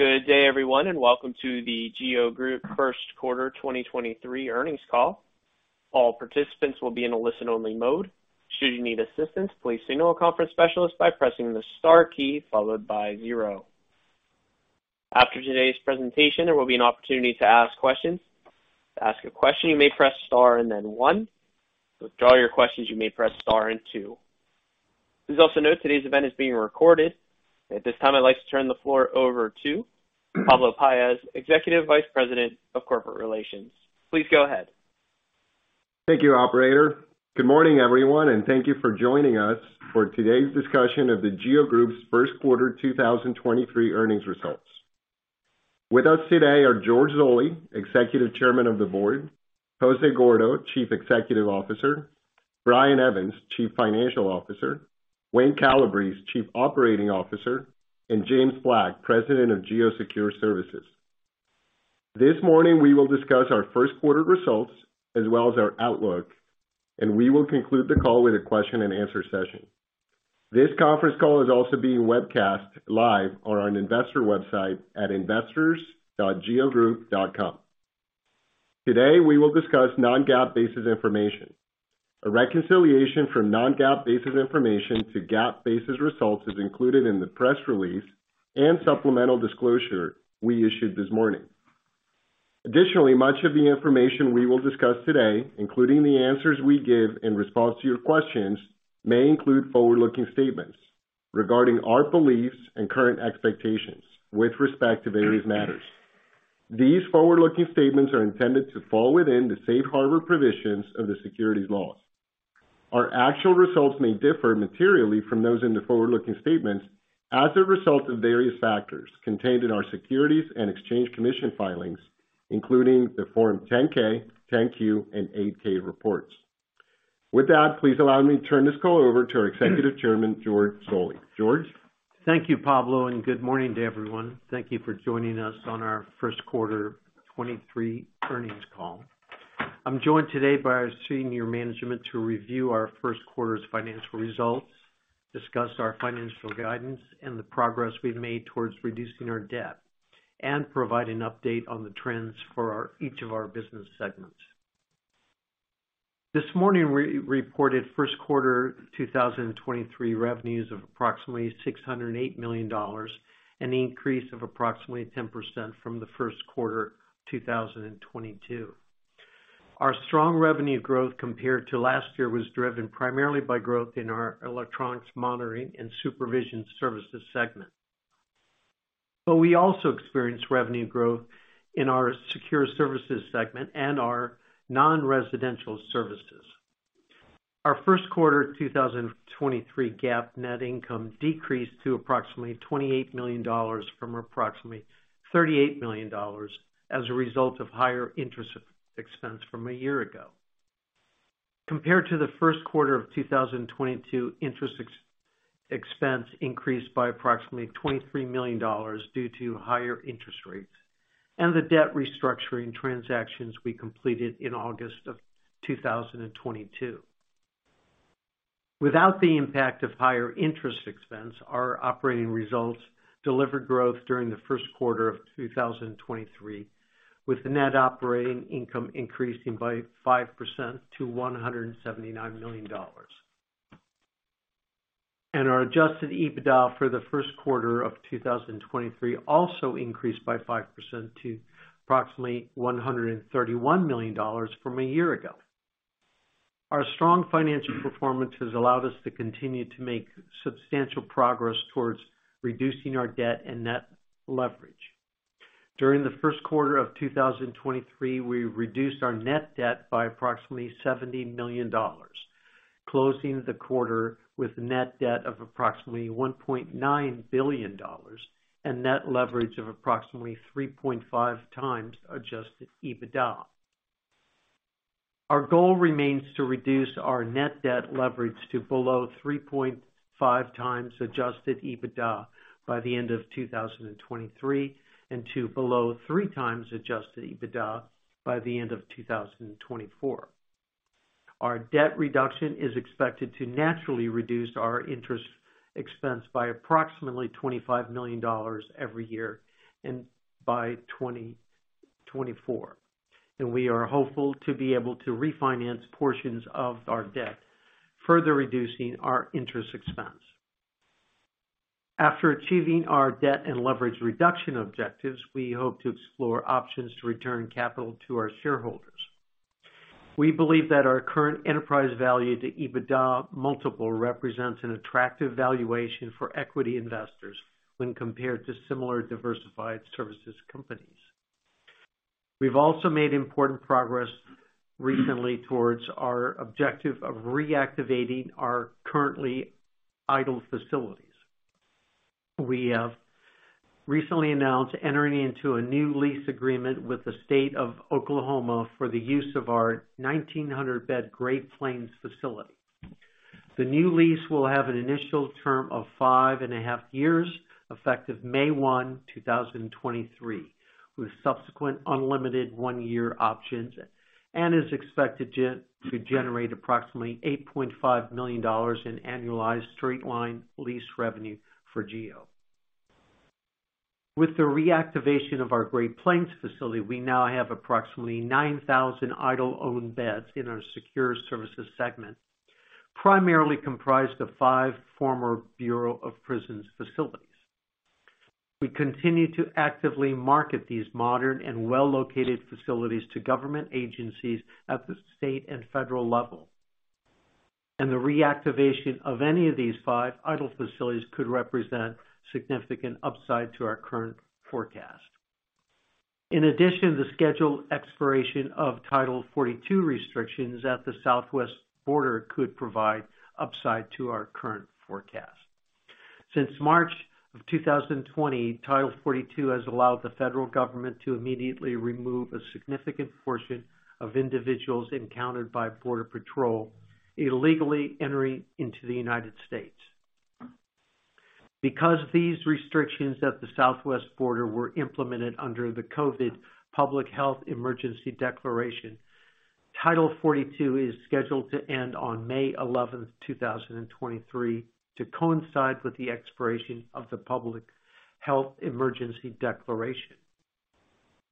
Good day, everyone, and welcome to The GEO Group Q1 2023 earnings call. All participants will be in a listen-only mode. Should you need assistance, please signal a conference specialist by pressing the star key followed by zero. After today's presentation, there will be an opportunity to ask questions. To ask a question, you may press star and then one. To withdraw your questions, you may press star and two. Please also note today's event is being recorded. At this time, I'd like to turn the floor over to Pablo Paez, Executive Vice President of Corporate Relations. Please go ahead. Thank you, operator. Good morning, everyone, thank you for joining us for today's discussion of The GEO Group's Q1 2023 earnings results. With us today are George Zoley, Executive Chairman of the Board, Jose Gordo, Chief Executive Officer, Brian Evans, Chief Financial Officer, Wayne Calabrese, Chief Operating Officer, and James Black, President of GEO Secure Services. This morning, we will discuss our Q1 results as well as our outlook, and we will conclude the call with a question-and-answer session. This conference call is also being webcast live on our investor website at investors.geogroup.com. Today, we will discuss non-GAAP basis information. A reconciliation from non-GAAP basis information to GAAP basis results is included in the press release and supplemental disclosure we issued this morning. Additionally, much of the information we will discuss today, including the answers we give in response to your questions, may include forward-looking statements regarding our beliefs and current expectations with respect to various matters. These forward-looking statements are intended to fall within the safe harbor provisions of the securities laws. Our actual results may differ materially from those in the forward-looking statements as a result of various factors contained in our Securities and Exchange Commission filings, including the Form 10-K, 10-Q, and 8-K reports. With that, please allow me to turn this call over to our Executive Chairman, George Zoley. George? Thank you, Pablo. Good morning to everyone. Thank you for joining us on our Q1 2023 earnings call. I'm joined today by our senior management to review our Q1's financial results, discuss our financial guidance and the progress we've made towards reducing our debt, and provide an update on the trends for each of our business segments. This morning, we reported Q1 2023 revenues of approximately $608 million, an increase of approximately 10% from the Q1 2022. Our strong revenue growth compared to last year was driven primarily by growth in our electronics monitoring and supervision services segment. We also experienced revenue growth in our secure services segment and our non-residential services. Our Q1 2023 GAAP net income decreased to approximately $28 million from approximately $38 million as a result of higher interest expense from a year ago. Compared to the Q1 of 2022, interest expense increased by approximately $23 million due to higher interest rates and the debt restructuring transactions we completed in August of 2022. Without the impact of higher interest expense, our operating results delivered growth during the Q1 of 2023, with net operating income increasing by 5% to $179 million. Our adjusted EBITDA for the Q1 of 2023 also increased by 5% to approximately $131 million from a year ago. Our strong financial performance has allowed us to continue to make substantial progress towards reducing our debt and net leverage. During the Q1 of 2023, we reduced our net debt by approximately $70 million, closing the quarter with net debt of approximately $1.9 billion and net leverage of approximately 3.5x adjusted EBITDA. Our goal remains to reduce our net debt leverage to below 3.5x adjusted EBITDA by the end of 2023 and to below 3x adjusted EBITDA by the end of 2024. Our debt reduction is expected to naturally reduce our interest expense by approximately $25 million every year by 2024. We are hopeful to be able to refinance portions of our debt, further reducing our interest expense. After achieving our debt and leverage reduction objectives, we hope to explore options to return capital to our shareholders. We believe that our current enterprise value to EBITDA multiple represents an attractive valuation for equity investors when compared to similar diversified services companies. We've also made important progress recently towards our objective of reactivating our currently idle facilities. We recently announced entering into a new lease agreement with the State of Oklahoma for the use of our 1,900 bed Great Plains Correctional Facility. The new lease will have an initial term of five and a half years, effective May 1, 2023. With subsequent unlimited one-year options, and is expected to generate approximately $8.5 million in annualized straight-line lease revenue for GEO. With the reactivation of our Great Plains facility, we now have approximately 9,000 idle owned beds in our Secure Services segment, primarily comprised of five former Bureau of Prisons facilities. We continue to actively market these modern and well-located facilities to government agencies at the state and federal level. The reactivation of any of these five idle facilities could represent significant upside to our current forecast. In addition, the scheduled expiration of Title 42 restrictions at the Southwest border could provide upside to our current forecast. Since March of 2020, Title 42 has allowed the federal government to immediately remove a significant portion of individuals encountered by Border Patrol illegally entering into the United States. Because these restrictions at the Southwest border were implemented under the COVID Public Health Emergency Declaration, Title 42 is scheduled to end on May 11th, 2023, to coincide with the expiration of the Public Health Emergency Declaration.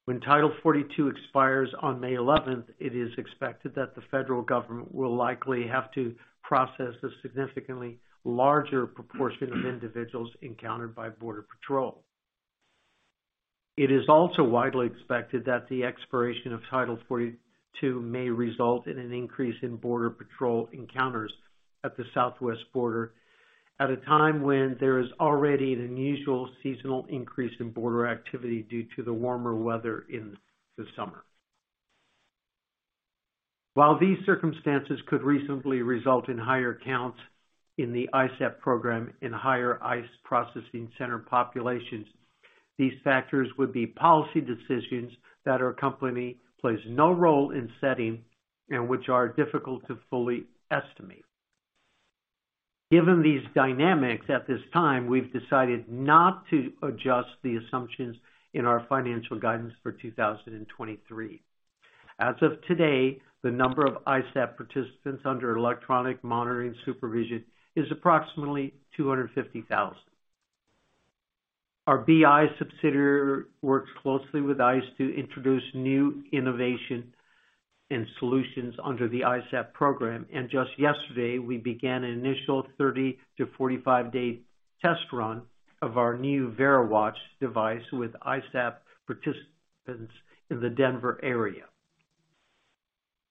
When Title 42 expires on May 11th, it is expected that the federal government will likely have to process a significantly larger proportion of individuals encountered by Border Patrol. It is also widely expected that the expiration of Title 42 may result in an increase in Border Patrol encounters at the Southwest border at a time when there is already an unusual seasonal increase in border activity due to the warmer weather in the summer. While these circumstances could reasonably result in higher counts in the ISAP program in higher ICE processing center populations, these factors would be policy decisions that our company plays no role in setting and which are difficult to fully estimate. Given these dynamics, at this time, we've decided not to adjust the assumptions in our financial guidance for 2023. As of today, the number of ISAP participants under electronic monitoring supervision is approximately 250,000. Our BI subsidiary works closely with ICE to introduce new innovation and solutions under the ISAP program. Just yesterday, we began an initial 30-45-day test run of our new VeriWatch device with ISAP participants in the Denver area.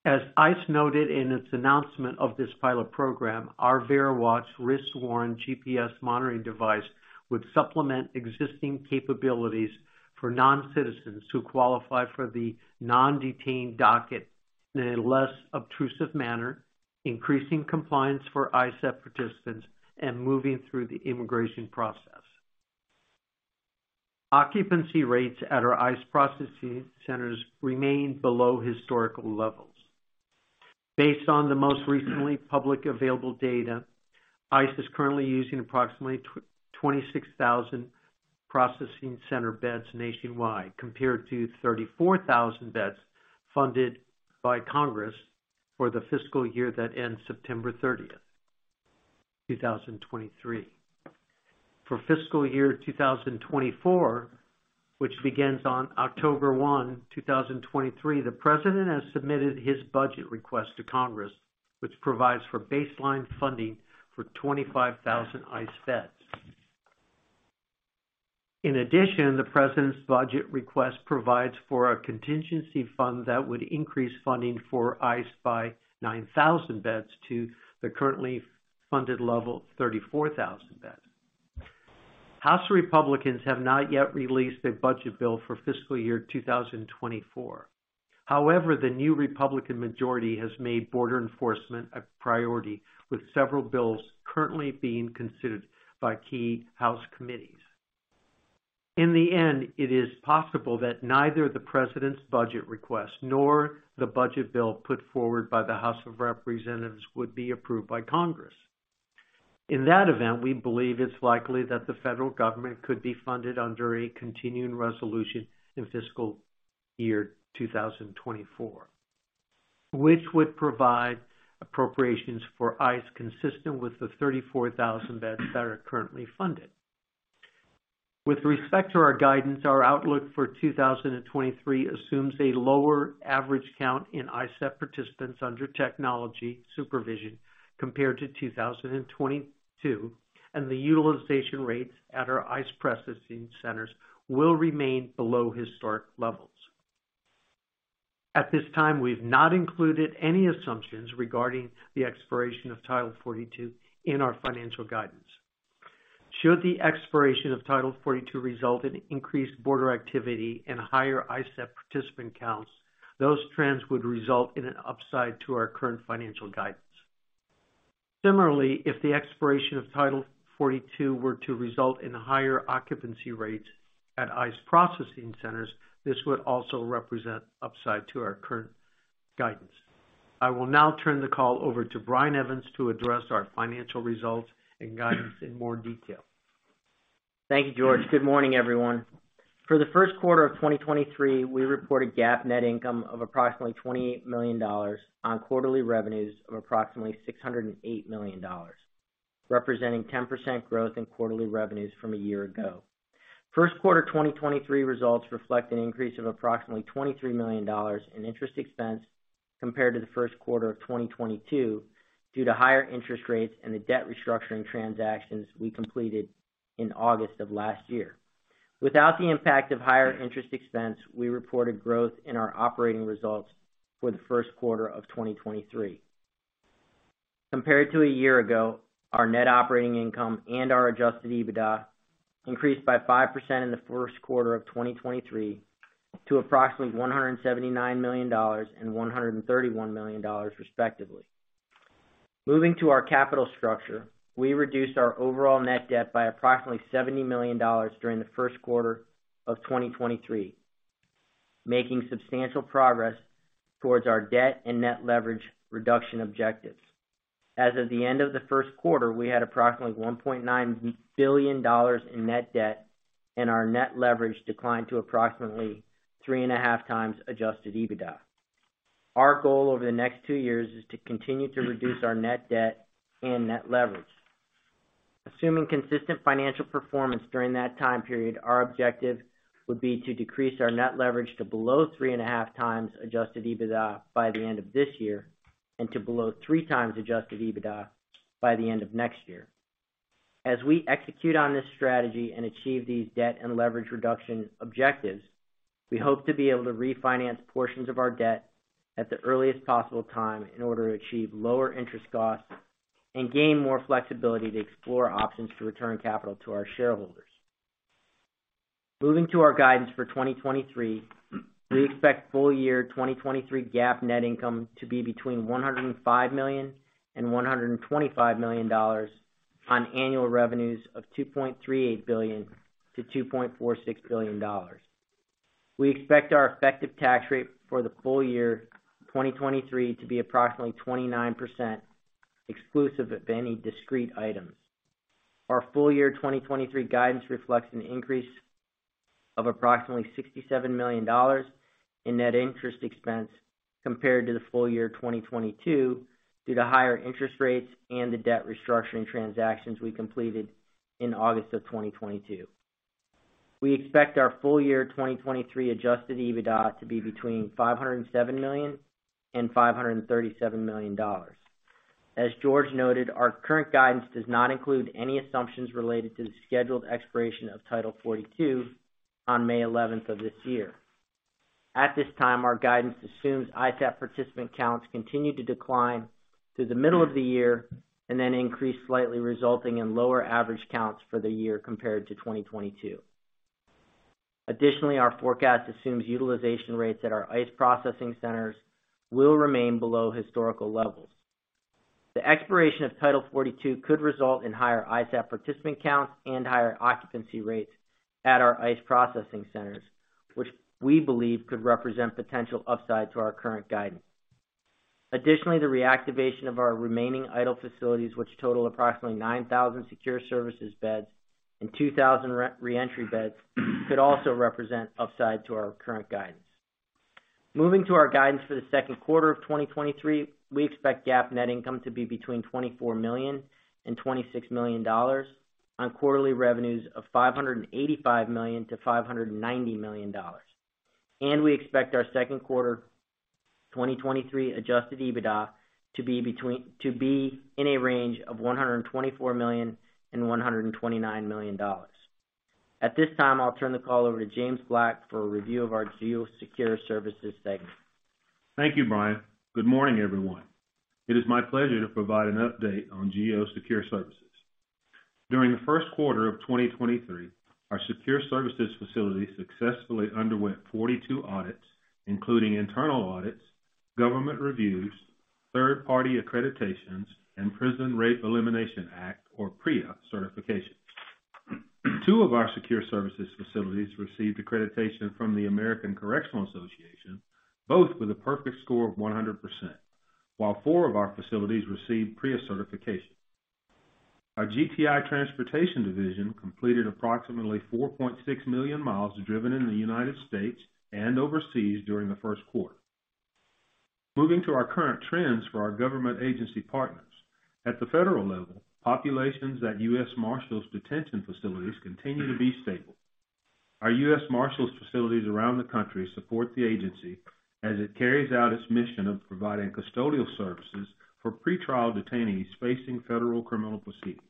As ICE noted in its announcement of this pilot program, our VeriWatch wrist-worn GPS monitoring device would supplement existing capabilities for non-citizens who qualify for the non-detained docket in a less obtrusive manner, increasing compliance for ISAP participants and moving through the immigration process. Occupancy rates at our ICE processing centers remain below historical levels. Based on the most recently public available data, ICE is currently using approximately 26,000 processing center beds nationwide, compared to 34,000 beds funded by Congress for the fiscal year that ends September 30th, 2023. For fiscal year 2024, which begins on October 1, 2023, the President has submitted his budget request to Congress, which provides for baseline funding for 25,000 ICE beds. In addition, the President's budget request provides for a contingency fund that would increase funding for ICE by 9,000 beds to the currently funded level of 34,000 beds. House Republicans have not yet released a budget bill for fiscal year 2024. However, the new Republican majority has made border enforcement a priority, with several bills currently being considered by key House committees. In the end, it is possible that neither the President's budget request nor the budget bill put forward by the House of Representatives would be approved by Congress. In that event, we believe it's likely that the federal government could be funded under a continuing resolution in fiscal year 2024, which would provide appropriations for ICE consistent with the 34,000 beds that are currently funded. With respect to our guidance, our outlook for 2023 assumes a lower average count in ISAP participants under technology supervision compared to 2022, and the utilization rates at our ICE processing centers will remain below historic levels. At this time, we've not included any assumptions regarding the expiration of Title 42 in our financial guidance. Should the expiration of Title 42 result in increased border activity and higher ISAP participant counts, those trends would result in an upside to our current financial guidance. Similarly, if the expiration of Title 42 were to result in higher occupancy rates at ICE processing centers, this would also represent upside to our current guidance. I will now turn the call over to Brian Evans to address our financial results and guidance in more detail. Thank you, George. Good morning, everyone. For the Q1 of 2023, we reported GAAP net income of approximately $28 million on quarterly revenues of approximately $608 million, representing 10% growth in quarterly revenues from a year ago. Q1 of 2023 results reflect an increase of approximately $23 million in interest expense compared to the Q1 of 2022 due to higher interest rates and the debt restructuring transactions we completed in August of last year. Without the impact of higher interest expense, we reported growth in our operating results for the Q1 of 2023. Compared to a year ago, our net operating income and our adjusted EBITDA increased by 5% in the Q1 of 2023 to approximately $179 million and $131 million, respectively. Moving to our capital structure, we reduced our overall net debt by approximately $70 million during the Q1 of 2023, making substantial progress towards our debt and net leverage reduction objectives. As of the end of the Q1, we had approximately $1.9 billion in net debt, and our net leverage declined to approximately 3.5x adjusted EBITDA. Our goal over the next two years is to continue to reduce our net debt and net leverage. Assuming consistent financial performance during that time period, our objective would be to decrease our net leverage to below 3.5x adjusted EBITDA by the end of this year and to below 3x adjusted EBITDA by the end of next year. As we execute on this strategy and achieve these debt and leverage reduction objectives, we hope to be able to refinance portions of our debt at the earliest possible time in order to achieve lower interest costs and gain more flexibility to explore options to return capital to our shareholders. Moving to our guidance for 2023, we expect full year 2023 GAAP net income to be between $105 million and $125 million on annual revenues of $2.38 billion-$2.46 billion. We expect our effective tax rate for the full year 2023 to be approximately 29%, exclusive of any discrete items. Our full year 2023 guidance reflects an increase of approximately $67 million in net interest expense compared to the full year of 2022 due to higher interest rates and the debt restructuring transactions we completed in August of 2022. We expect our full year 2023 adjusted EBITDA to be between $507 million and $537 million. As George noted, our current guidance does not include any assumptions related to the scheduled expiration of Title 42 on May 11th of this year. At this time, our guidance assumes ISAP participant counts continue to decline through the middle of the year and then increase slightly, resulting in lower average counts for the year compared to 2022. Additionally, our forecast assumes utilization rates at our ICE processing centers will remain below historical levels. The expiration of Title 42 could result in higher ISAP participant counts and higher occupancy rates at our ICE processing centers, which we believe could represent potential upside to our current guidance. Additionally, the reactivation of our remaining idle facilities, which total approximately 9,000 Secure Services beds and 2,000 re-entry beds, could also represent upside to our current guidance. Moving to our guidance for the Q2 of 2023, we expect GAAP net income to be between $24 million and $26 million on quarterly revenues of $585 million-$590 million. We expect our Q2 2023 adjusted EBITDA to be in a range of $124 million and $129 million. At this time, I'll turn the call over to James Black for a review of our GEO Secure Services segment. Thank you, Brian. Good morning, everyone. It is my pleasure to provide an update on GEO Secure Services. During the Q1 of 2023, our Secure Services facility successfully underwent 42 audits, including internal audits, government reviews, third-party accreditations, and Prison Rape Elimination Act, or PREA, certifications. Two of our Secure Services facilities received accreditation from the American Correctional Association, both with a perfect score of 100%, while four of our facilities received PREA certification. Our GTI Transportation division completed approximately 4.6 million miles driven in the United States and overseas during the Q1. Moving to our current trends for our government agency partners. At the federal level, populations at U.S. Marshals detention facilities continue to be stable. Our U.S. Marshals facilities around the country support the agency as it carries out its mission of providing custodial services for pretrial detainees facing federal criminal proceedings.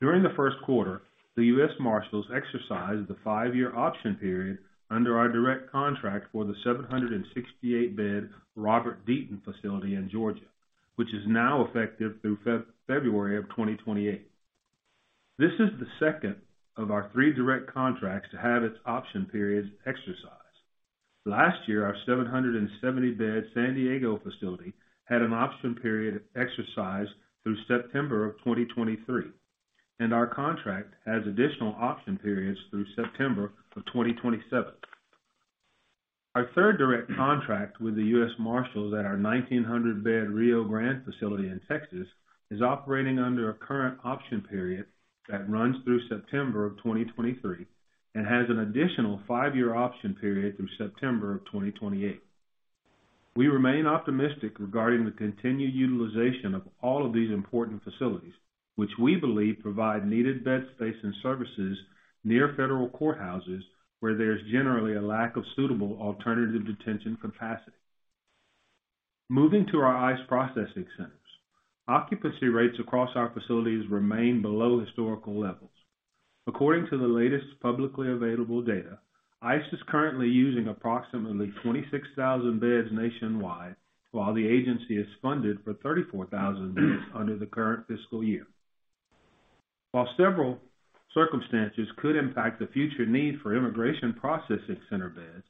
During the Q1, the U.S. Marshals exercised the five-year option period under our direct contract for the 768-bed Robert Deyton facility in Georgia, which is now effective through February of 2028. This is the second of our three direct contracts to have its option periods exercised. Last year, our 770-bed San Diego facility had an option period exercised through September of 2023. Our contract has additional option periods through September of 2027. Our third direct contract with the U.S. Marshals at our 1,900 bed Rio Grande facility in Texas is operating under a current option period that runs through September of 2023 and has an additional five-year option period through September of 2028. We remain optimistic regarding the continued utilization of all of these important facilities, which we believe provide needed bed space and services near federal courthouses, where there's generally a lack of suitable alternative detention capacity. Moving to our ICE processing centers. Occupancy rates across our facilities remain below historical levels. According to the latest publicly available data, ICE is currently using approximately 26,000 beds nationwide, while the agency is funded for 34,000 beds under the current fiscal year. While several circumstances could impact the future need for immigration processing center beds,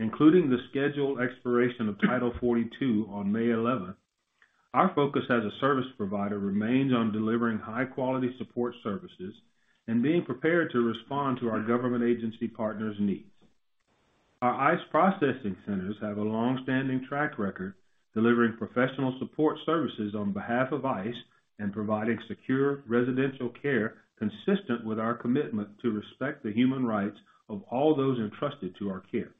including the scheduled expiration of Title 42 on May 11th, our focus as a service provider remains on delivering high-quality support services and being prepared to respond to our government agency partners' needs. Our ICE processing centers have a long-standing track record delivering professional support services on behalf of ICE and providing secure residential care consistent with our commitment to respect the human rights of all those entrusted to our care.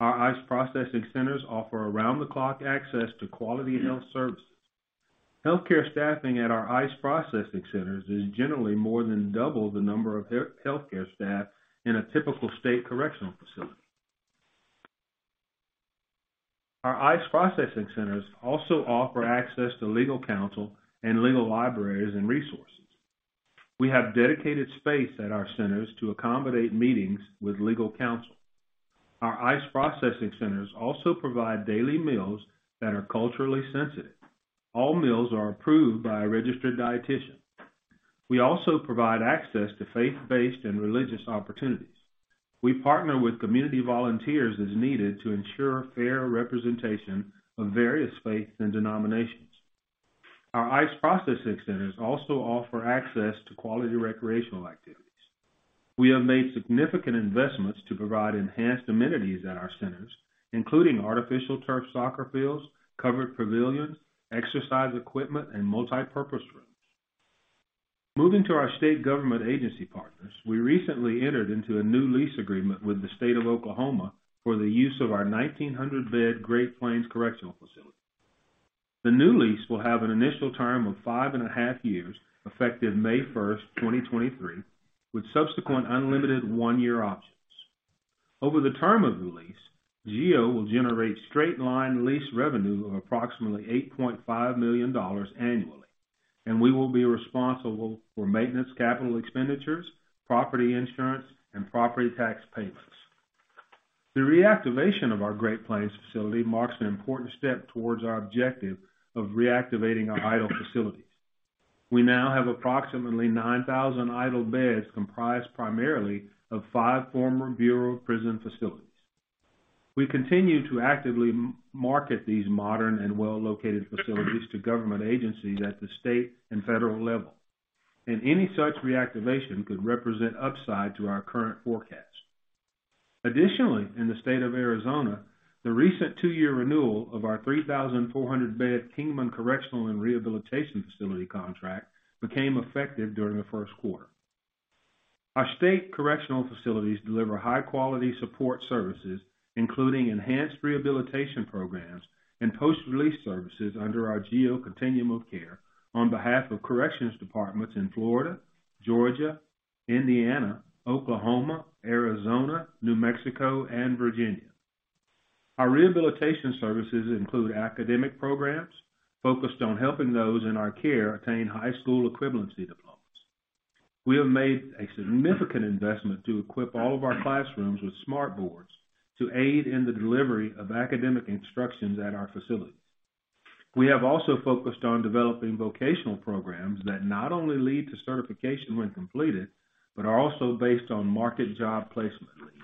Our ICE processing centers offer around-the-clock access to quality health services. Healthcare staffing at our ICE processing centers is generally more than double the number of healthcare staff in a typical state correctional facility. Our ICE processing centers also offer access to legal counsel and legal libraries and resources. We have dedicated space at our centers to accommodate meetings with legal counsel. Our ICE processing centers also provide daily meals that are culturally sensitive. All meals are approved by a registered dietitian. We also provide access to faith-based and religious opportunities. We partner with community volunteers as needed to ensure fair representation of various faiths and denominations. Our ICE processing centers also offer access to quality recreational activities. We have made significant investments to provide enhanced amenities at our centers, including artificial turf soccer fields, covered pavilions, exercise equipment, and multipurpose rooms. Moving to our state government agency partners, we recently entered into a new lease agreement with the State of Oklahoma for the use of our 1,900 bed Great Plains Correctional facility. The new lease will have an initial term of five and a half years, effective May 1st, 2023, with subsequent unlimited one-year options. Over the term of the lease, GEO will generate straight-line lease revenue of approximately $8.5 million annually, and we will be responsible for maintenance, capital expenditures, property insurance, and property tax payments. The reactivation of our Great Plains facility marks an important step towards our objective of reactivating our idle facilities. We now have approximately 9,000 idle beds comprised primarily of five former Bureau of Prisons facilities. We continue to actively market these modern and well-located facilities to government agencies at the state and federal level. Any such reactivation could represent upside to our current forecast. Additionally, in the State of Arizona, the recent two-year renewal of our 3,400 bed Kingman Correctional and Rehabilitation Facility contract became effective during the Q1. Our state correctional facilities deliver high-quality support services, including enhanced rehabilitation programs and post-release services under our GEO Continuum of Care on behalf of corrections departments in Florida, Georgia, Indiana, Oklahoma, Arizona, New Mexico, and Virginia. Our rehabilitation services include academic programs focused on helping those in our care attain high school equivalency diplomas. We have made a significant investment to equip all of our classrooms with smart boards to aid in the delivery of academic instructions at our facilities. We have also focused on developing vocational programs that not only lead to certification when completed, but are also based on market job placement leads.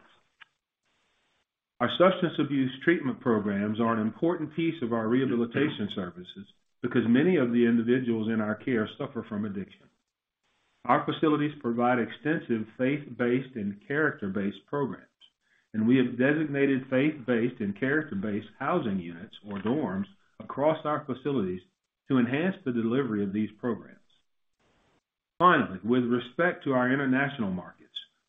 Our substance abuse treatment programs are an important piece of our rehabilitation services because many of the individuals in our care suffer from addiction. Our facilities provide extensive faith-based and character-based programs, we have designated faith-based and character-based housing units or dorms across our facilities to enhance the delivery of these programs. Finally, with respect to our international markets,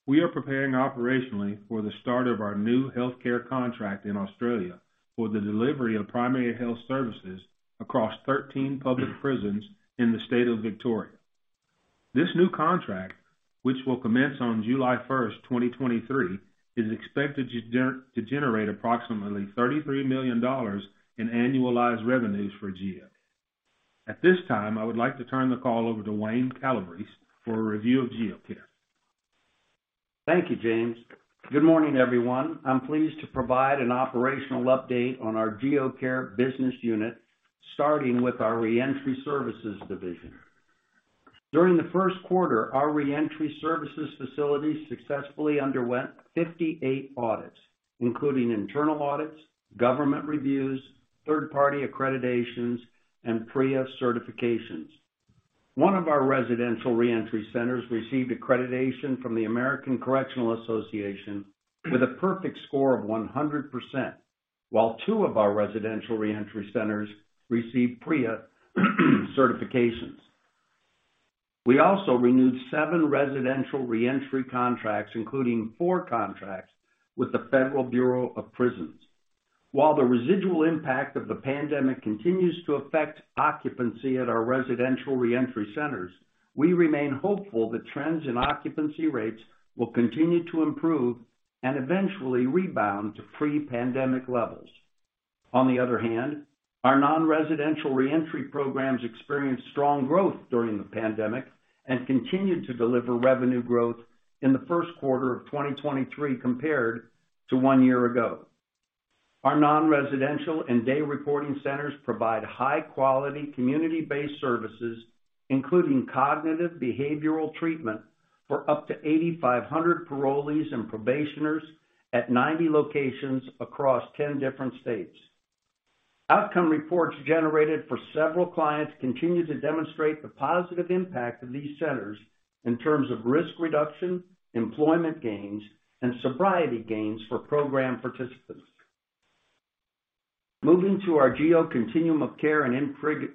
we are preparing operationally for the start of our new healthcare contract in Australia for the delivery of primary health services across 13 public prisons in the State of Victoria. This new contract, which will commence on July 1st, 2023, is expected to generate approximately $33 million in annualized revenues for GEO. At this time, I would like to turn the call over to Wayne Calabrese for a review of GEO Care. Thank you, James. Good morning, everyone. I'm pleased to provide an operational update on our GEO Care business unit, starting with our Reentry Services division. During the Q1, our Reentry Services facilities successfully underwent 58 audits, including internal audits, government reviews, third-party accreditations, and PREA certifications. One of our residential reentry centers received accreditation from the American Correctional Association with a perfect score of 100%, while two of our residential reentry centers received PREA certifications. We also renewed seven residential reentry contracts, including four contracts with the Federal Bureau of Prisons. While the residual impact of the pandemic continues to affect occupancy at our residential reentry centers, we remain hopeful that trends in occupancy rates will continue to improve and eventually rebound to pre-pandemic levels. Our non-residential reentry programs experienced strong growth during the pandemic and continued to deliver revenue growth in the Q1 of 2023 compared to one year ago. Our non-residential and day reporting centers provide high-quality community-based services, including cognitive behavioral treatment for up to 8,500 parolees and probationers at 90 locations across 10 different states. Outcome reports generated for several clients continue to demonstrate the positive impact of these centers in terms of risk reduction, employment gains, and sobriety gains for program participants. Moving to our GEO Continuum of Care and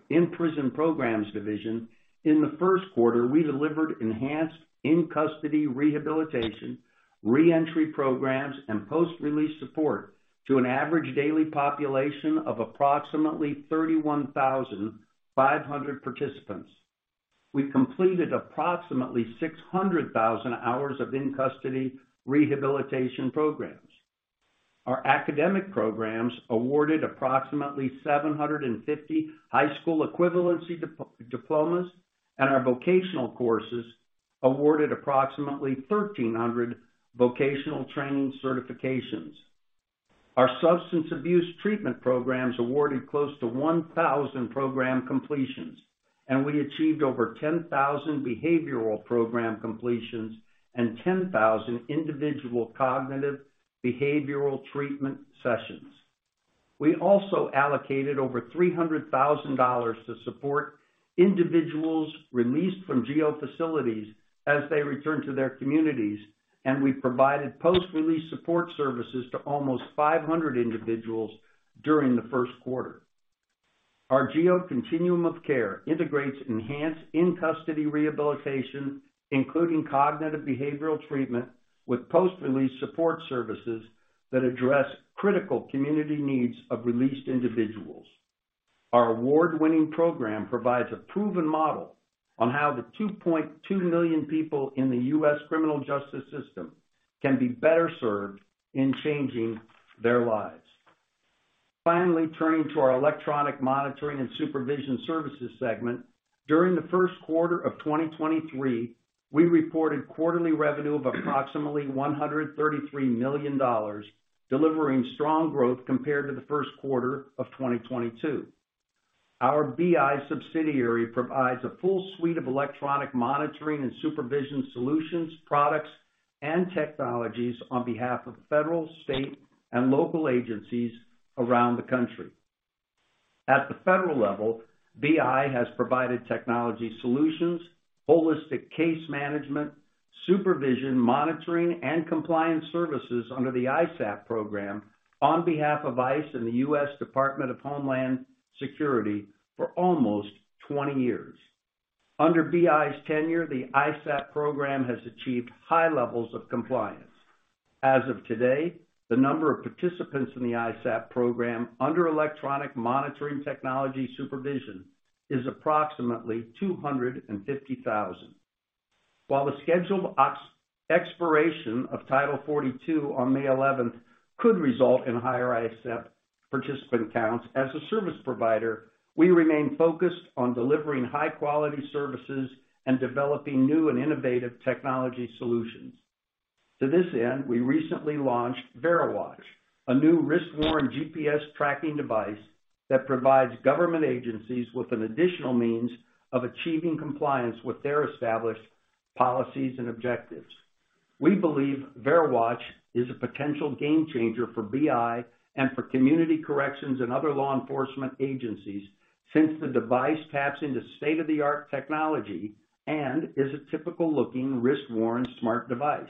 in-prison programs division. In the Q1, we delivered enhanced in-custody rehabilitation, reentry programs, and post-release support to an average daily population of approximately 31,500 participants. We completed approximately 600,000 hours of in-custody rehabilitation programs. Our academic programs awarded approximately 750 high school equivalency diplomas, and our vocational courses awarded approximately 1,300 vocational training certifications. Our substance abuse treatment programs awarded close to 1,000 program completions, and we achieved over 10,000 behavioral program completions and 10,000 individual cognitive behavioral treatment sessions. We also allocated over $300,000 to support individuals released from GEO facilities as they return to their communities, and we provided post-release support services to almost 500 individuals during the Q1. Our GEO Continuum of Care integrates enhanced in-custody rehabilitation, including cognitive behavioral treatment with post-release support services that address critical community needs of released individuals. Our award-winning program provides a proven model on how the 2.2 million people in the U.S. criminal justice system can be better served in changing their lives. Finally, turning to our electronic monitoring and supervision services segment. During the Q1 of 2023, we reported quarterly revenue of approximately $133 million, delivering strong growth compared to the Q1 of 2022. Our BI subsidiary provides a full suite of electronic monitoring and supervision solutions, products, and technologies on behalf of federal, state, and local agencies around the country. At the federal level, BI has provided technology solutions, holistic case management, supervision, monitoring, and compliance services under the ISAP program on behalf of ICE and the U.S. Department of Homeland Security for almost 20 years. Under BI's tenure, the ISAP program has achieved high levels of compliance. As of today, the number of participants in the ISAP program under electronic monitoring technology supervision is approximately 250,000. While the scheduled expiration of Title 42 on May 11th could result in higher ISAP participant counts, as a service provider, we remain focused on delivering high-quality services and developing new and innovative technology solutions. To this end, we recently launched VeriWatch, a new wrist-worn GPS tracking device that provides government agencies with an additional means of achieving compliance with their established policies and objectives. We believe VeriWatch is a potential game changer for BI and for community corrections and other law enforcement agencies since the device taps into state-of-the-art technology and is a typical-looking wrist-worn smart device.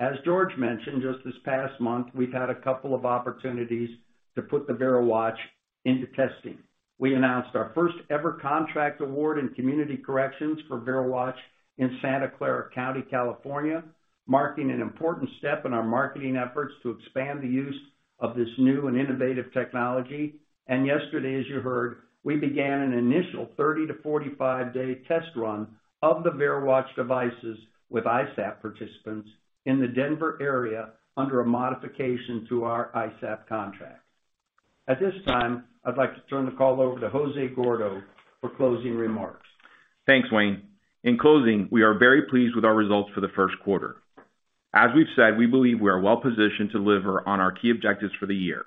As George mentioned, just this past month, we've had a couple of opportunities to put the VeriWatch into testing. We announced our first-ever contract award in community corrections for VeriWatch in Santa Clara County, California, marking an important step in our marketing efforts to expand the use of this new and innovative technology. Yesterday, as you heard, we began an initial 30 to 45-day test run of the VeriWatch devices with ISAP participants in the Denver area under a modification to our ISAP contract. At this time, I'd like to turn the call over to Jose Gordo for closing remarks. Thanks, Wayne. In closing, we are very pleased with our results for the Q1. As we've said, we believe we are well positioned to deliver on our key objectives for the year,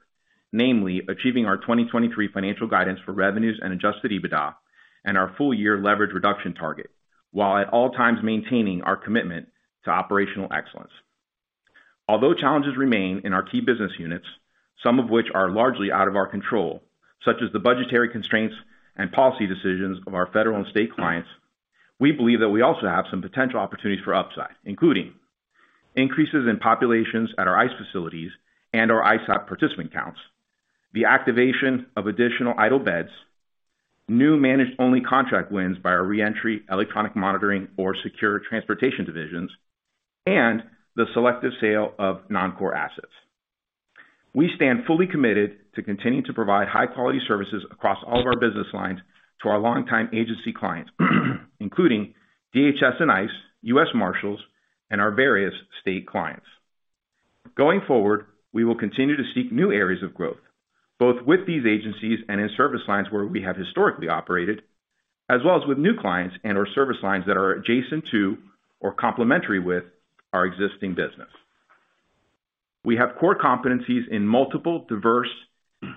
namely, achieving our 2023 financial guidance for revenues and adjusted EBITDA and our full-year leverage reduction target, while at all times maintaining our commitment to operational excellence. Although challenges remain in our key business units, some of which are largely out of our control, such as the budgetary constraints and policy decisions of our federal and state clients, we believe that we also have some potential opportunities for upside, including increases in populations at our ICE facilities and our ISAP participant counts, the activation of additional idle beds, new managed only contract wins by our Reentry, Electronic Monitoring, or Secure Transportation divisions, and the selective sale of non-core assets. We stand fully committed to continuing to provide high quality services across all of our business lines to our longtime agency clients, including DHS and ICE, U.S. Marshals, and our various state clients. Going forward, we will continue to seek new areas of growth, both with these agencies and in service lines where we have historically operated, as well as with new clients and/or service lines that are adjacent to or complementary with our existing business. We have core competencies in multiple, diverse,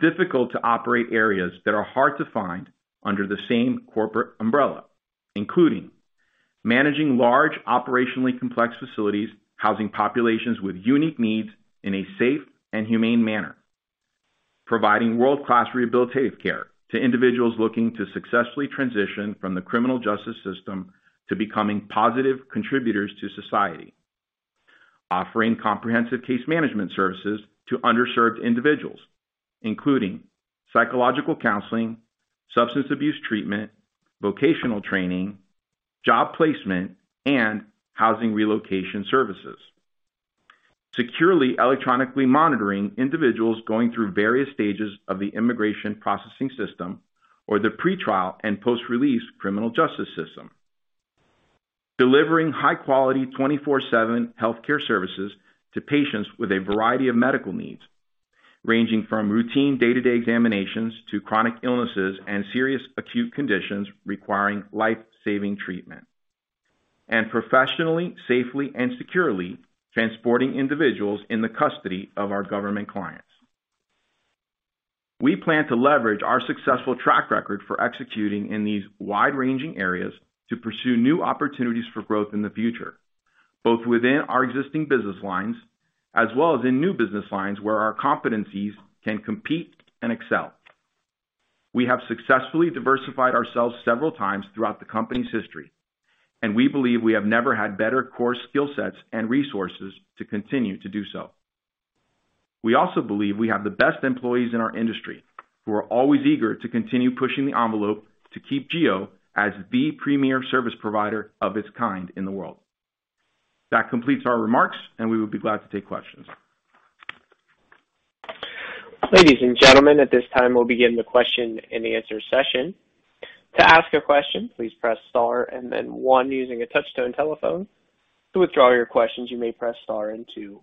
difficult to operate areas that are hard to find under the same corporate umbrella, including managing large operationally complex facilities, housing populations with unique needs in a safe and humane manner, providing world-class rehabilitative care to individuals looking to successfully transition from the criminal justice system to becoming positive contributors to society. Offering comprehensive case management services to underserved individuals, including psychological counseling, substance abuse treatment, vocational training, job placement, and housing relocation services. Securely electronically monitoring individuals going through various stages of the immigration processing system or the pretrial and post-release criminal justice system. Delivering high quality 24/7 healthcare services to patients with a variety of medical needs, ranging from routine day-to-day examinations to chronic illnesses and serious acute conditions requiring life-saving treatment. Professionally, safely, and securely transporting individuals in the custody of our government clients. We plan to leverage our successful track record for executing in these wide-ranging areas to pursue new opportunities for growth in the future, both within our existing business lines as well as in new business lines where our competencies can compete and excel. We have successfully diversified ourselves several times throughout the company's history, and we believe we have never had better core skill sets and resources to continue to do so. We also believe we have the best employees in our industry who are always eager to continue pushing the envelope to keep GEO as the premier service provider of its kind in the world. That completes our remarks, and we would be glad to take questions. Ladies and gentlemen, at this time, we'll begin the question-and-answer session. To ask a question, please press star and then one using a touch-tone telephone. To withdraw your questions, you may press star and two.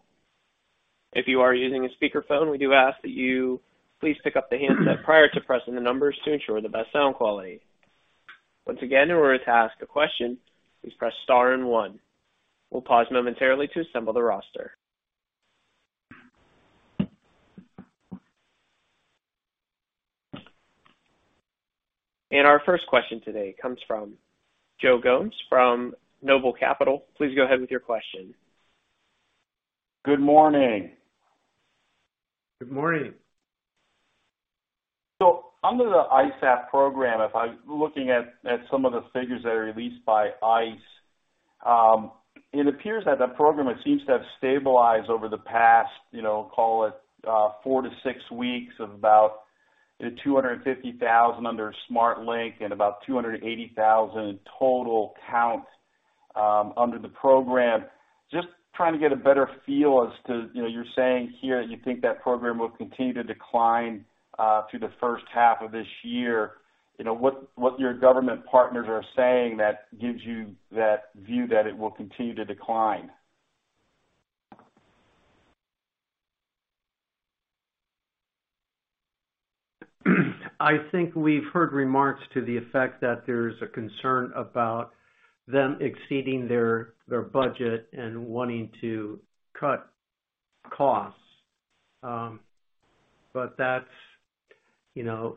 If you are using a speakerphone, we do ask that you please pick up the handset prior to pressing the numbers to ensure the best sound quality. Once again, in order to ask a question, please press star and one. We'll pause momentarily to assemble the roster. Our first question today comes from Joe Gomes from Noble Capital. Please go ahead with your question. Good morning. Good morning. Under the ISAP program, if I'm looking at some of the figures that are released by ICE, it appears that program, it seems to have stabilized over the past, you know, call it, four to six weeks of about 250,000 under SmartLINK and about 280,000 total count under the program. Just trying to get a better feel as to, you know, you're saying here you think that program will continue to decline through the first half of this year. You know, what your government partners are saying that gives you that view that it will continue to decline? I think we've heard remarks to the effect that there's a concern about them exceeding their budget and wanting to cut costs. That's, you know,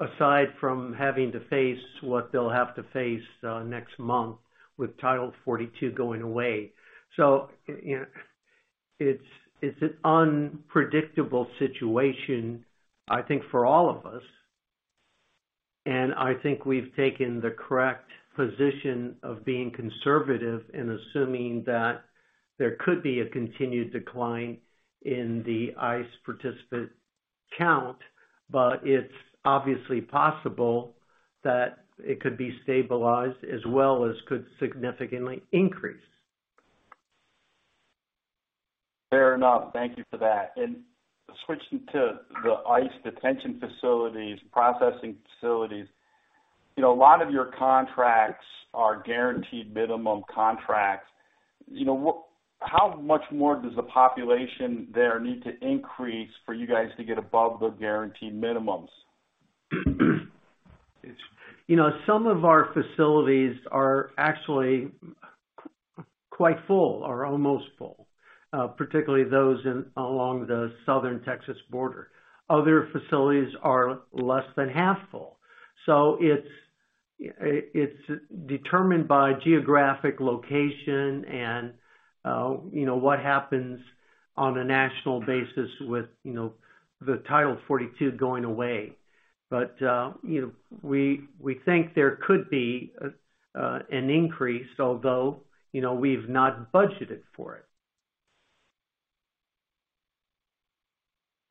aside from having to face what they'll have to face next month with Title 42 going away. It's an unpredictable situation, I think, for all of us, and I think we've taken the correct position of being conservative and assuming that there could be a continued decline in the ICE participant count, but it's obviously possible that it could be stabilized as well as could significantly increase. Fair enough. Thank you for that. Switching to the ICE detention facilities, processing facilities, you know, a lot of your contracts are guaranteed minimum contracts. You know, how much more does the population there need to increase for you guys to get above the guaranteed minimums? You know, some of our facilities are actually quite full or almost full, particularly those in along the Southern Texas border. Other facilities are less than half full. It's determined by geographic location and, you know, what happens on a national basis with, you know, the Title 42 going away. You know, we think there could be an increase, although, you know, we've not budgeted for it.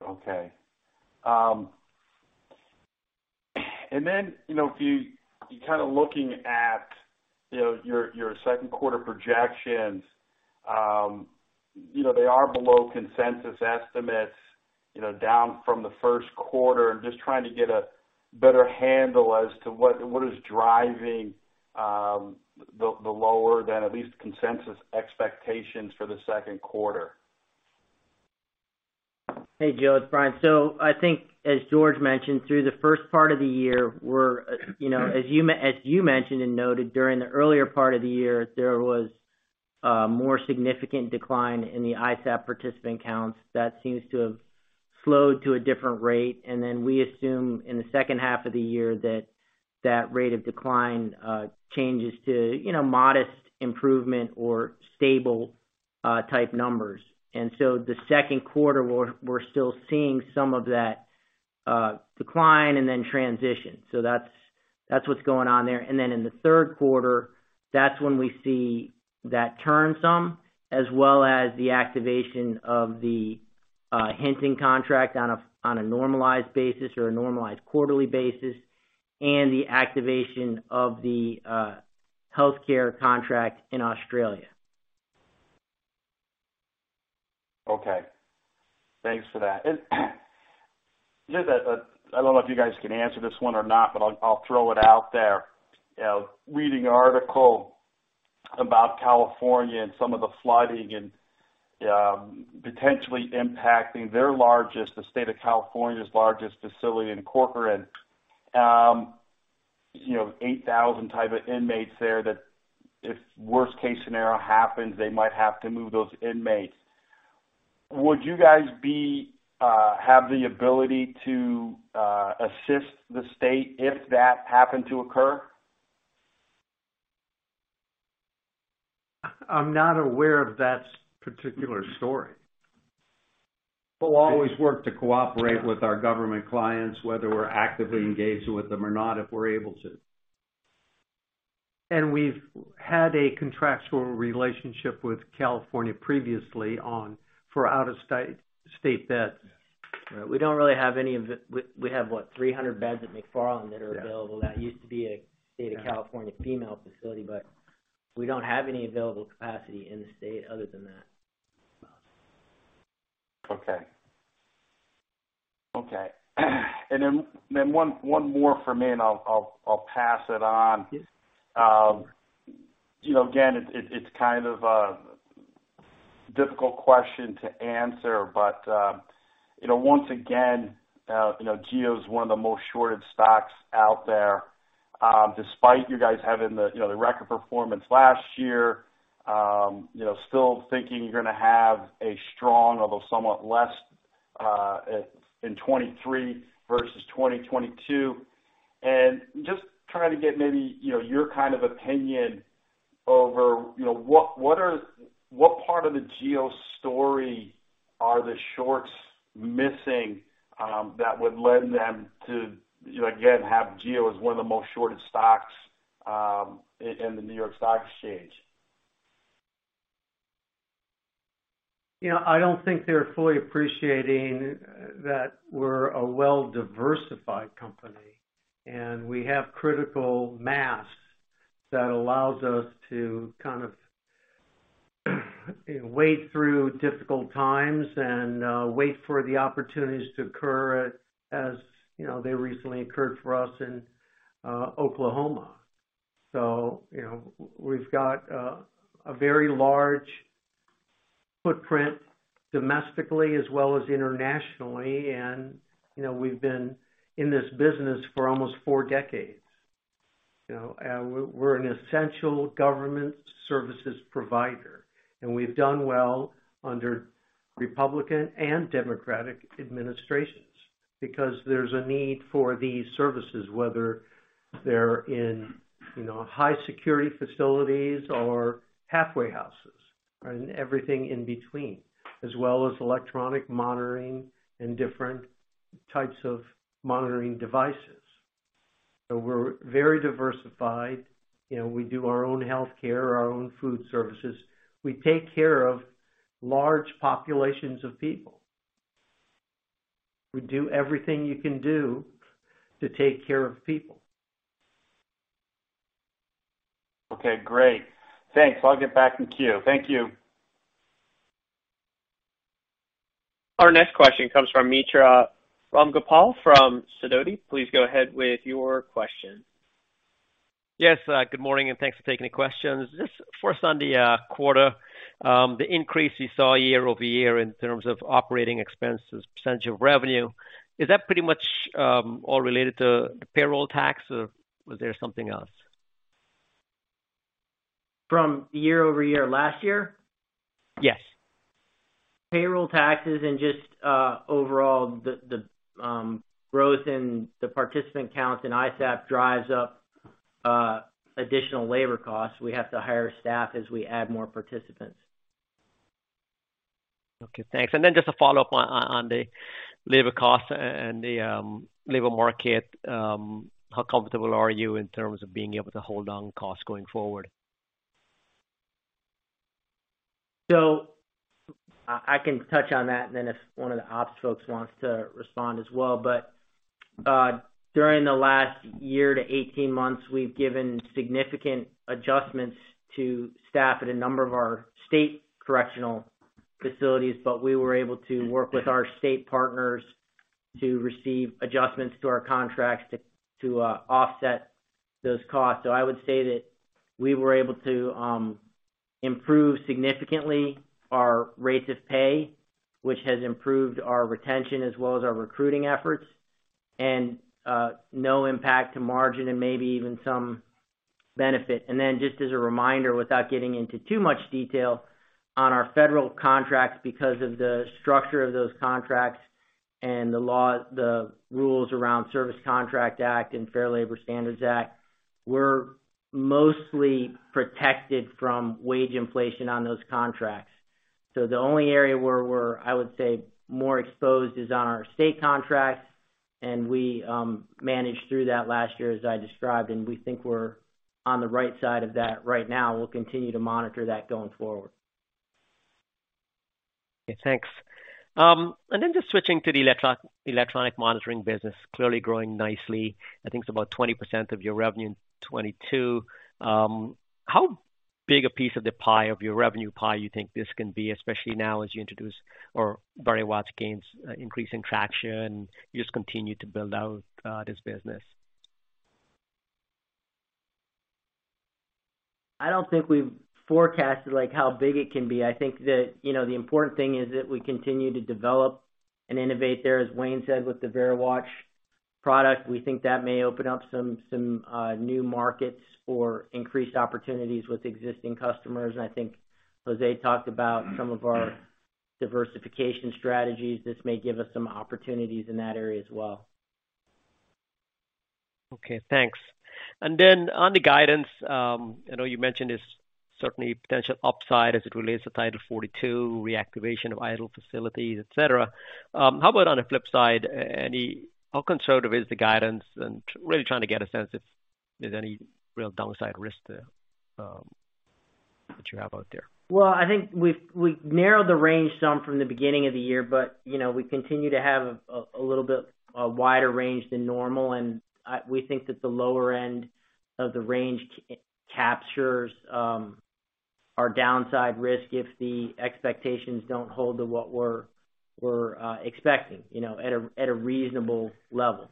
Okay. You know, if you're kind of looking at, you know, your Q2 projections, you know, they are below consensus estimates, you know, down from the Q1. I'm just trying to get a better handle as to what is driving the lower than at least consensus expectations for the Q2. Hey, Joe, it's Brian. I think as George mentioned, through the first part of the year, we're, you know, as you mentioned and noted during the earlier part of the year, there was a more significant decline in the ISAP participant counts. That seems to have slowed to a different rate. Then we assume in the second half of the year that that rate of decline changes to, you know, modest improvement or stable type numbers. The Q2, we're still seeing some of that decline and then transition. That's what's going on there. In the Q3, that's when we see that turn some, as well as the activation of the Hinton contract on a normalized basis or a normalized quarterly basis, and the activation of the healthcare contract in Australia. Okay. Thanks for that. Just, I don't know if you guys can answer this one or not, but I'll throw it out there. You know, reading an article about California and some of the flooding and potentially impacting their largest, the state of California's largest facility in Corcoran, you know, 8,000 type of inmates there that if worst case scenario happens, they might have to move those inmates. Would you guys be, have the ability to assist the state if that happened to occur? I'm not aware of that particular story. We'll always work to cooperate with our government clients, whether we're actively engaged with them or not, if we're able to. We've had a contractual relationship with California previously for out-of-state state beds. We don't really have any. We have what? 300 beds at McFarland that are available. That used to be a State of California female facility, we don't have any available capacity in the state other than that. Okay. Okay. One more for me, I'll pass it on. You know, again, it's kind of a difficult question to answer. You know, once again, you know, GEO is one of the most shorted stocks out there, despite you guys having the, you know, the record performance last year, you know, still thinking you're gonna have a strong, although somewhat less, in 2023 versus 2022. Just trying to get maybe, you know, your kind of opinion over, you know, what part of the GEO story are the shorts missing that would lend them to, you know, again, have GEO as one of the most shorted stocks in the New York Stock Exchange? You know, I don't think they're fully appreciating that we're a well-diversified company, and we have critical mass that allows us to kind of wait through difficult times and wait for the opportunities to occur as, you know, they recently occurred for us in Oklahoma. You know, we've got a very large footprint domestically as well as internationally. You know, we've been in this business for almost four decades. You know, we're an essential government services provider, and we've done well under Republican and Democratic administrations because there's a need for these services, whether they're in, you know, high security facilities or halfway houses and everything in between, as well as electronic monitoring and different types of monitoring devices. We're very diversified. You know, we do our own healthcare, our own food services. We take care of large populations of people. We do everything you can do to take care of people. Okay, great. Thanks. I'll get back in queue. Thank you. Our next question comes from Mitra Ramgopal from Sidoti. Please go ahead with your question. Yes, good morning, and thanks for taking the questions. Just first on the quarter, the increase you saw year-over-year in terms of operating expenses, percentage of revenue, is that pretty much all related to payroll tax or was there something else? From year-over-year last year? Yes. Payroll taxes and just overall the growth in the participant counts in ISAP drives up additional labor costs. We have to hire staff as we add more participants. Okay, thanks. Then just a follow-up on the labor costs and the labor market. How comfortable are you in terms of being able to hold down costs going forward? I can touch on that, and then if one of the ops folks wants to respond as well. During the last year to 18 months, we've given significant adjustments to staff at a number of our state correctional facilities, but we were able to work with our state partners to receive adjustments to our contracts to offset those costs. I would say that we were able to improve significantly our rates of pay, which has improved our retention as well as our recruiting efforts, and no impact to margin and maybe even some benefit. Just as a reminder, without getting into too much detail on our federal contracts, because of the structure of those contracts and the rules around Service Contract Act and Fair Labor Standards Act, we're mostly protected from wage inflation on those contracts. The only area where we're, I would say, more exposed is on our state contracts, and we managed through that last year as I described, and we think we're on the right side of that right now. We'll continue to monitor that going forward. Okay, thanks. Just switching to the electronic monitoring business, clearly growing nicely. I think it's about 20% of your revenue in 2022. How big a piece of the pie of your revenue pie you think this can be, especially now as you introduce or VeriWatch gains increasing traction, you just continue to build out this business? I don't think we've forecasted like how big it can be. I think that, you know, the important thing is that we continue to develop and innovate there. As Wayne said, with the VeriWatch product, we think that may open up some new markets or increased opportunities with existing customers. I think Jose talked about some of our diversification strategies. This may give us some opportunities in that area as well. Okay, thanks. Then on the guidance, I know you mentioned there's certainly potential upside as it relates to Title 42 reactivation of idle facilities, et cetera. How about on the flip side, how conservative is the guidance, really trying to get a sense if there's any real downside risk there, that you have out there? Well, I think we've narrowed the range some from the beginning of the year, but, you know, we continue to have a little bit wider range than normal. We think that the lower end of the range captures our downside risk if the expectations don't hold to what we're expecting, you know, at a reasonable level.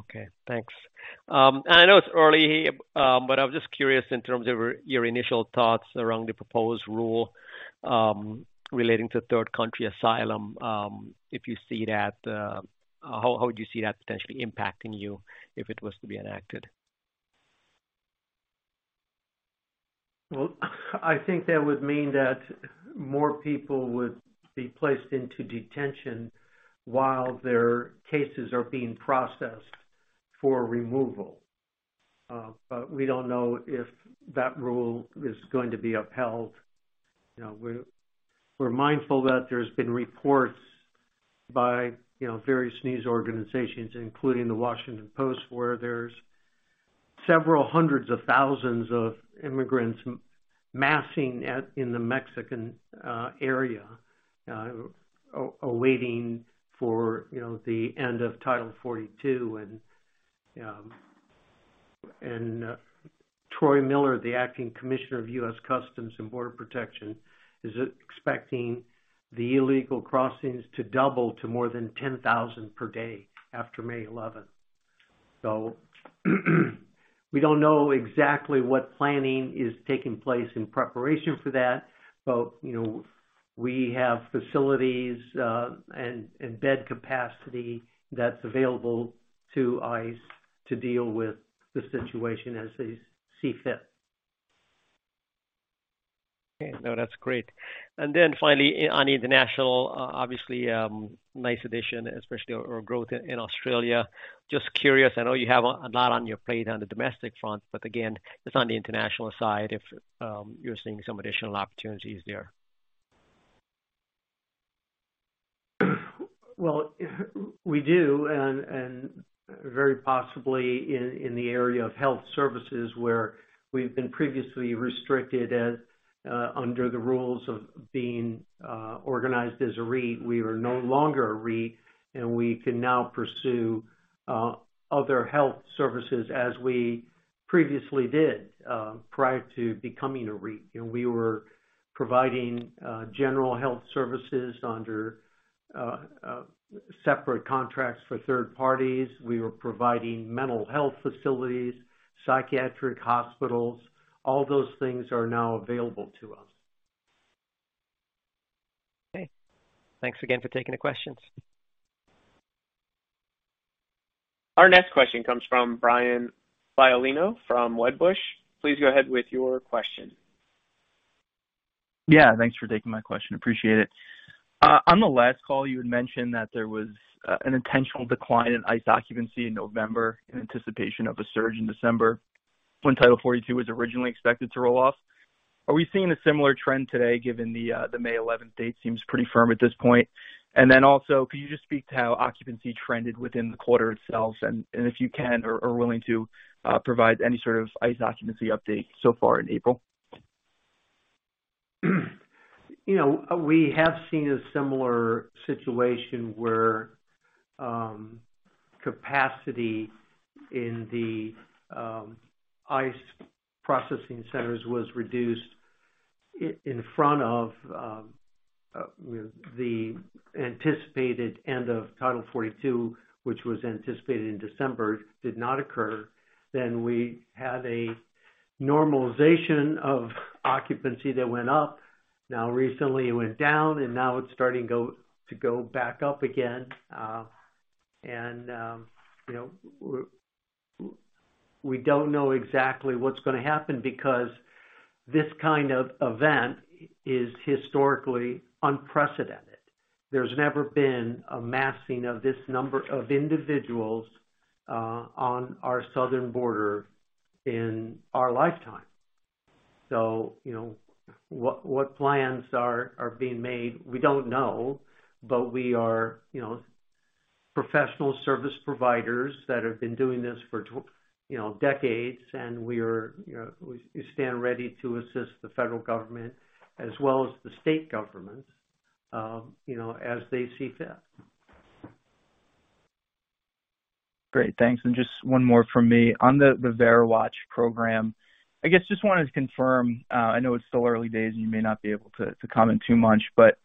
Okay, thanks. I know it's early here, I was just curious in terms of your initial thoughts around the proposed rule, relating to third country asylum, if you see that, how would you see that potentially impacting you if it was to be enacted? I think that would mean that more people would be placed into detention while their cases are being processed for removal. We don't know if that rule is going to be upheld. You know, we're mindful that there's been reports by, you know, various news organizations, including The Washington Post, where there's several hundreds of thousands of immigrants massing in the Mexican area awaiting for, you know, the end of Title 42. Troy Miller, the Acting Commissioner of U.S. Customs and Border Protection, is expecting the illegal crossings to double to more than 10,000 per day after May 11th. We don't know exactly what planning is taking place in preparation for that. You know, we have facilities and bed capacity that's available to ICE to deal with the situation as they see fit. Okay. No, that's great. Finally on international, obviously, nice addition especially or growth in Australia. Just curious, I know you have a lot on your plate on the domestic front, but again, just on the international side, if you're seeing some additional opportunities there. Well, we do and very possibly in the area of health services where we've been previously restricted as under the rules of being organized as a REIT. We are no longer a REIT, we can now pursue other health services as we previously did prior to becoming a REIT. You know, we were providing general health services under separate contracts for third parties. We were providing mental health facilities, psychiatric hospitals, all those things are now available to us. Okay. Thanks again for taking the questions. Our next question comes from Brian Violino from Wedbush. Please go ahead with your question. Yeah, thanks for taking my question. Appreciate it. On the last call, you had mentioned that there was an intentional decline in ICE occupancy in November in anticipation of a surge in December when Title 42 was originally expected to roll off. Are we seeing a similar trend today given the May 11th date seems pretty firm at this point? Could you just speak to how occupancy trended within the quarter itself and if you can or willing to provide any sort of ICE occupancy update so far in April? You know, we have seen a similar situation where capacity in the ICE processing centers was reduced in front of, you know, the anticipated end of Title 42, which was anticipated in December, did not occur. We had a normalization of occupancy that went up. Now recently it went down, and now it's starting to go back up again. You know, we don't know exactly what's gonna happen because this kind of event is historically unprecedented. There's never been a massing of this number of individuals on our southern border in our lifetime. You know, what plans are being made, we don't know. We are, you know, professional service providers that have been doing this for you know, decades, and we're, you know, we stand ready to assist the federal government as well as the state governments, you know, as they see fit. Great. Thanks. Just one more from me. On the VeriWatch program, I guess just wanted to confirm, I know it's still early days, and you may not be able to comment too much, but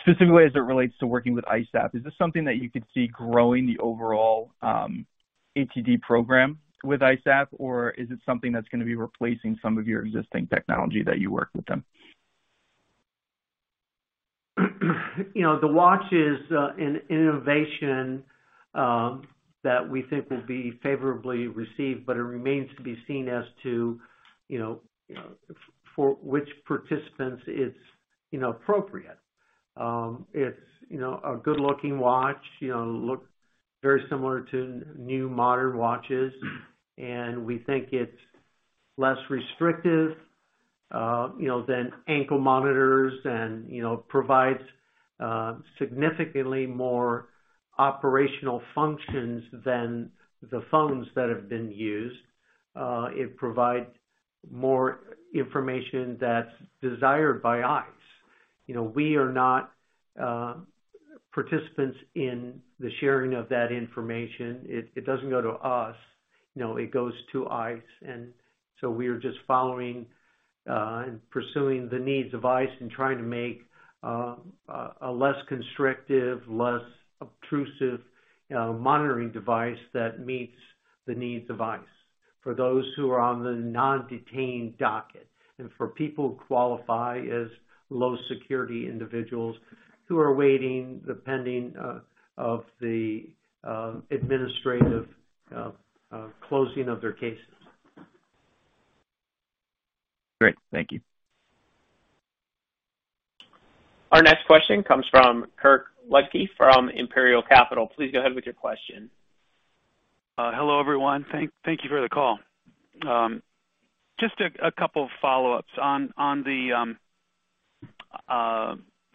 specifically as it relates to working with ISAP, is this something that you could see growing the overall ATD program with ISAP? Or is it something that's gonna be replacing some of your existing technology that you work with them? You know, the watch is an innovation that we think will be favorably received, but it remains to be seen as to, you know, for which participants it's, you know, appropriate. It's, you know, a good-looking watch, you know, look very similar to new modern watches. We think it's less restrictive, you know, than ankle monitors and, you know, provides significantly more operational functions than the phones that have been used. It provides more information that's desired by ICE. You know, we are not participants in the sharing of that information. It doesn't go to us. You know, it goes to ICE. We are just following and pursuing the needs of ICE and trying to make a less constrictive, less obtrusive, you know, monitoring device that meets the needs of ICE for those who are on the non-detained docket and for people who qualify as low security individuals who are awaiting the pending of the administrative closing of their cases. Great. Thank you. Our next question comes from Kirk Ludtke from Imperial Capital. Please go ahead with your question. Hello, everyone. Thank you for the call. Just a couple of follow-ups. On the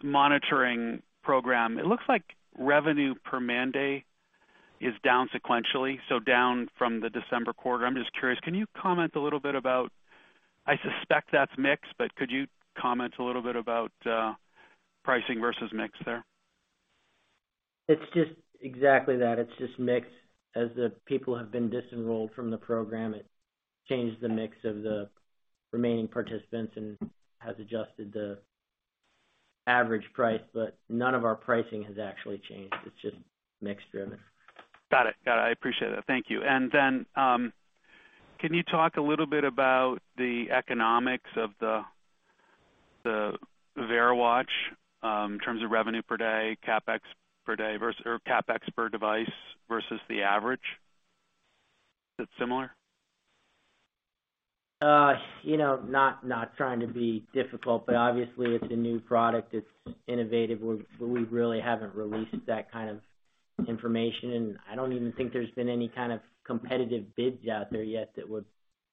monitoring program, it looks like revenue per man day is down sequentially, so down from the December quarter. I'm just curious, can you comment a little bit about? I suspect that's mixed, but could you comment a little bit about pricing versus mix there? It's just exactly that. It's just mixed. As the people have been disenrolled from the program, it changed the mix of the remaining participants and has adjusted the average price. None of our pricing has actually changed. It's just mix driven. Got it. Got it. I appreciate it. Thank you. Then, can you talk a little bit about the economics of the VeriWatch in terms of revenue per day, CapEx per day or CapEx per device versus the average? Is it similar? You know, not trying to be difficult, but obviously it's a new product. It's innovative. We really haven't released that kind of information. I don't even think there's been any kind of competitive bids out there yet that would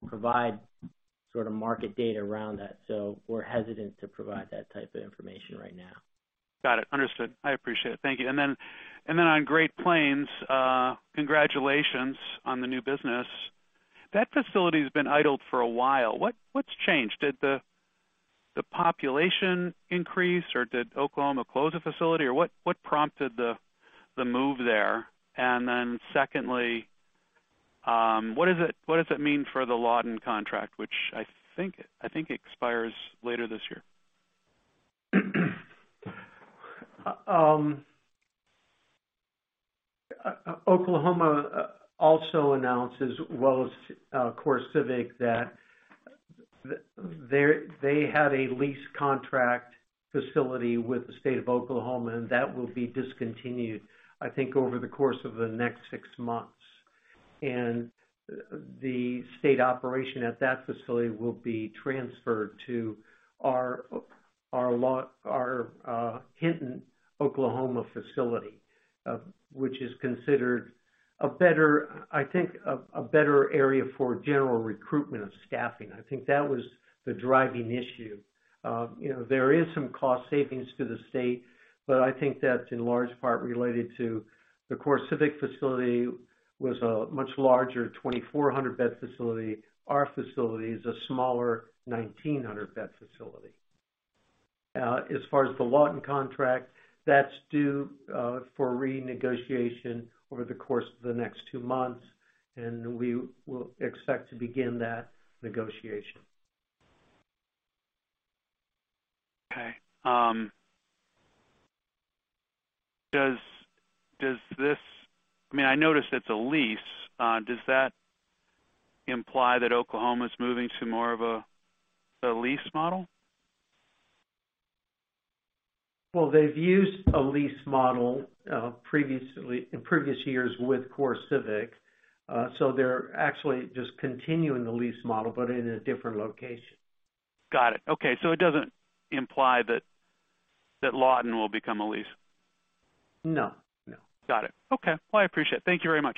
provide sort of market data around that. We're hesitant to provide that type of information right now. Got it. Understood. I appreciate it. Thank you. On Great Plains, congratulations on the new business. That facility has been idled for a while. What's changed? Did the population increase, or did Oklahoma close a facility, or what prompted the move there? Secondly, what does it mean for the Lawton contract, which I think expires later this year? Oklahoma also announces, well as CoreCivic, that they had a lease contract facility with the state of Oklahoma, and that will be discontinued, I think, over the course of the next six months. The state operation at that facility will be transferred to our Hinton, Oklahoma facility, which is considered a better, I think, a better area for general recruitment of staffing. I think that was the driving issue. You know, there is some cost savings to the state, but I think that's in large part related to the CoreCivic facility was a much larger 2,400 bed facility. Our facility is a smaller 1,900 bed facility. As far as the Lawton contract, that's due for renegotiation over the course of the next two months, and we will expect to begin that negotiation. Okay. I mean, I noticed it's a lease. Does that imply that Oklahoma's moving to more of a lease model? Well, they've used a lease model, previously, in previous years with CoreCivic. They're actually just continuing the lease model, but in a different location. Got it. Okay. It doesn't imply that Lawton will become a lease? No. No. Got it. Okay. Well, I appreciate it. Thank you very much.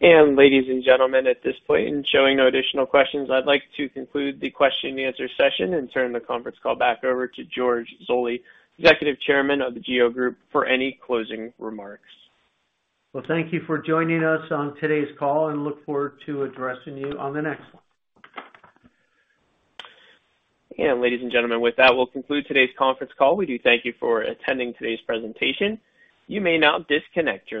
Ladies and gentlemen, at this point, and showing no additional questions, I'd like to conclude the question-and-answer session and turn the conference call back over to George Zoley, Executive Chairman of The GEO Group, for any closing remarks. Well, thank you for joining us on today's call, and look forward to addressing you on the next one. Ladies and gentlemen, with that, we'll conclude today's conference call. We do thank you for attending today's presentation. You may now disconnect your lines.